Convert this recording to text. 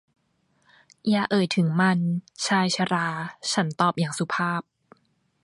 อย่าเอ่ยถึงมัน ชายชรา ฉันตอบอย่างสุภาพ